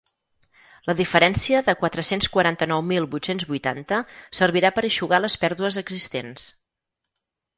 La diferència de quatre-cents quaranta-nou mil vuit-cents vuitanta servirà per eixugar les pèrdues existents.